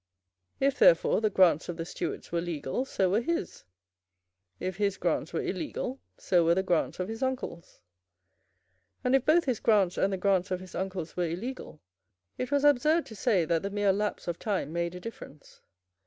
If, therefore, the grants of the Stuarts were legal, so were his; if his grants were illegal, so were the grants of his uncles. And, if both his grants and the grants of his uncles were illegal, it was absurd to say that the mere lapse of time made a difference.